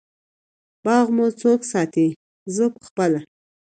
باغ مو څوک ساتی؟ زه پخپله